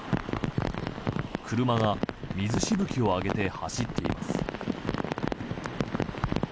車が水しぶきを上げて走っています。